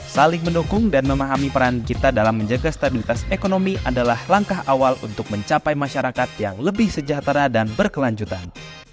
saling mendukung dan memahami peran kita dalam menjaga stabilitas ekonomi adalah langkah awal untuk mencapai masyarakat yang lebih sejahtera dan berkelanjutan